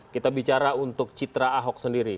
kita bicara untuk citra ahok sendiri